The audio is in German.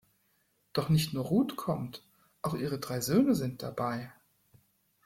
Doch nicht nur Ruth kommt, auch ihre drei Söhne sind dabei.